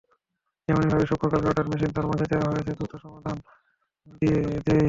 যেমনিভাবে সূক্ষ calculator machine তার মাঝে দেয়া হিসাবের দ্রুত সমাধান দিয়ে দেয়।